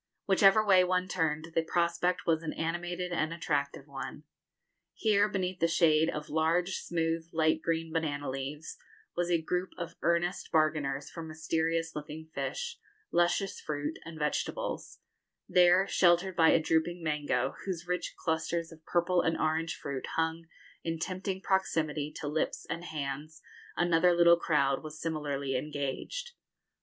Whichever way one turned, the prospect was an animated and attractive one. Here, beneath the shade of large, smooth, light green banana leaves, was a group of earnest bargainers for mysterious looking fish, luscious fruit, and vegetables; there, sheltered by a drooping mango, whose rich clusters of purple and orange fruit hung in tempting proximity to lips and hands, another little crowd was similarly engaged.